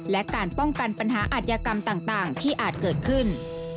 และการป้องกันปัญหาอาทยากรรมต่างที่อาจเกิดขึ้น